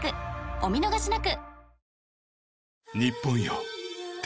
お見逃しなく！］